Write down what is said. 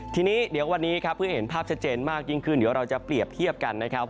ทีนี้เดี๋ยววันนี้ครับเพิ่งเห็นภาพชัดเจนมากยิ่งขึ้นเดี๋ยวเราจะเปรียบเทียบกันนะครับ